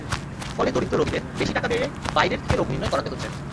ফলে দরিদ্র রোগীদের বেশি টাকা ব্যয়ে বাইরে থেকে রোগ নির্ণয় করাতে হচ্ছে।